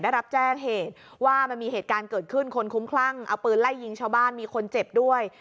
ได้รับแจ้งเหตุว่ามันมีเหตุการณ์เกิดขึ้นคนคุ้มคลั่งเอาปืนไล่ยิงชาวบ้านมีคนเจ็บด้วย